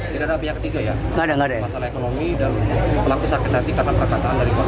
tidak ada pihak ketiga ya masalah ekonomi dan pelaku sakit hati karena perkataan dari korban